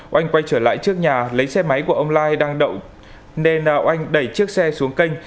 oanh quay trở lại trước nhà lấy xe máy của ông lai đang đậu nên oanh đẩy chiếc xe xuống kênh